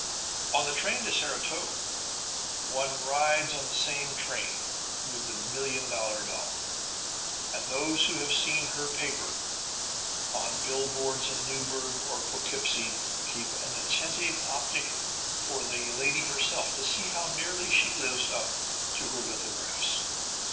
On the train to Saratoga one rides on the same train with the Million Dollar Doll, and those who have seen her "paper" on the billboards in Newburgh or Poughkeepsie keep an attentive optic open for the lady herself to see how nearly she lives up to her lithographs.